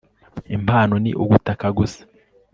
Impano ni gutaka gusa